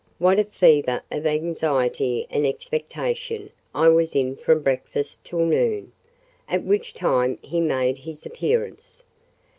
What a fever of anxiety and expectation I was in from breakfast till noon—at which time he made his appearance!